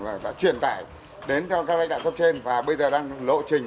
và đã truyền tải đến cho các lãnh đạo cấp trên và bây giờ đang lộ trình